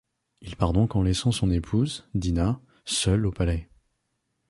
Il part donc en laissant son épouse, Dinah, seule au palais.